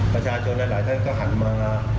ประชาชนหลายท่านก็หันมา